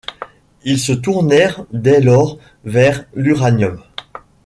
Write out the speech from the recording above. Ils se tournèrent dès lors vers l'uranium.